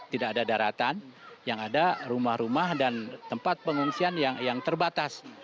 tidak ada daratan yang ada rumah rumah dan tempat pengungsian yang terbatas